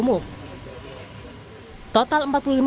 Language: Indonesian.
rest area ini juga ramah bagi pemudik yang menggunakan kendaraan listriknya